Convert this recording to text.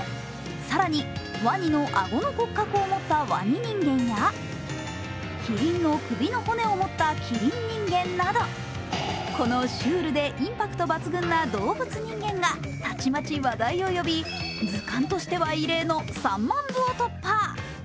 更にワニの顎の骨格を持ったワニ人間やキリンの首の骨を持ったキリン人間など、このシュールでインパクト抜群な動物人間がたちまち話題を呼び、図鑑としては異例の３万部を突破。